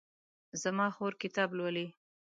زما خور کتاب لولي